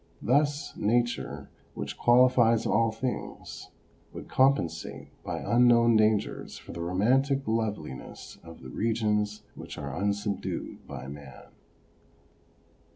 Thus Nature, which qualifies all things, would compensate by unknown dangers for the romantic loveliness of the regions which are unsubdued by man.